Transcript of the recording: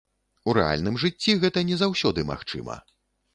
У рэальным жыцці гэта не заўсёды магчыма.